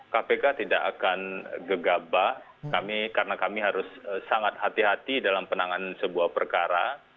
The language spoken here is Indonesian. kpk tidak akan gegabah karena kami harus sangat hati hati dalam penanganan sebuah perkara